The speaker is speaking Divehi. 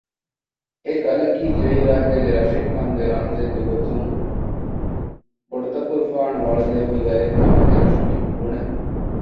އެގަލަކީ ދިވެހިރާއްޖޭގެ ރަށެއްކަމުގެ ރަމްޒެއްގެ ގޮތުން ބޮޑުތަކުރުފާނު ވަޅުލެއްވި ގަލެއް ކަމަށް އެރަށު މީހުން ބުނެ